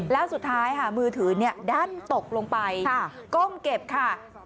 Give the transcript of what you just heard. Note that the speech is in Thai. แล้วสุดท้ายค่ะมือถือดั้นตกลงไปก้มเก็บค่ะ